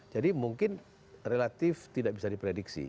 jadi mungkin relatif tidak bisa diprediksi